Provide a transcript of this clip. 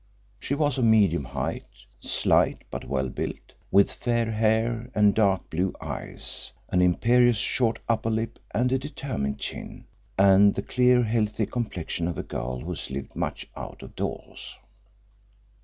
She was of medium height, slight, but well built, with fair hair and dark blue eyes, an imperious short upper lip and a determined chin, and the clear healthy complexion of a girl who has lived much out of doors.